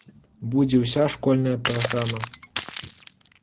Будзе ўся школьная праграма!